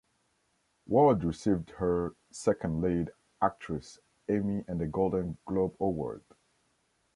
Ward received her second lead actress Emmy and a Golden Globe Award.